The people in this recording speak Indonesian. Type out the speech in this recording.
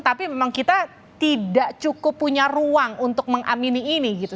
tapi memang kita tidak cukup punya ruang untuk mengamini ini gitu